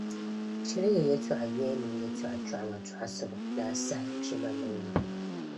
chaliya yɛltɔɣa yoya minii yɛltɔɣa chɔɣima tɔɣisibu ni asahi kpɛma niŋbu.